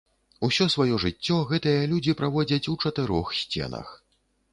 Усё сваё жыццё гэтыя людзі праводзяць у чатырох сценах.